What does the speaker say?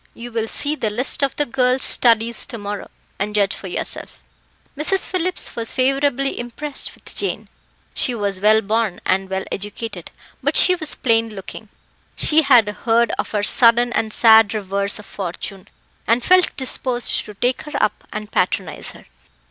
You will see the list of the girls' studies to morrow, and judge for yourself." Mrs. Phillips was favourably impressed with Jane. She was well born and well educated, but she was plain looking. She had heard of her sudden and sad reverse of fortune, and felt disposed to take her up and patronise her.